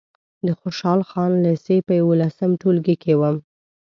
د خوشحال خان لېسې په یولسم ټولګي کې وم.